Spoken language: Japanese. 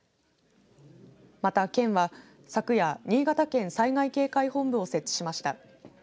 また、県は昨夜新潟県災害警戒本部を設置しました。